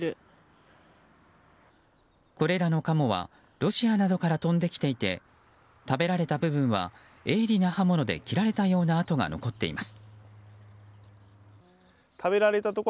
これらのカモはロシアなどから飛んできていて食べられた部分は鋭利な刃物で切られたような跡が残っています。